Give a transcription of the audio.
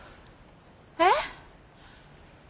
えっ？